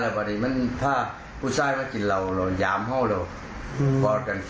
แล้วมันกินบ้าวให้กินเขาติดแตะให้ตายจานเขาไซนาผม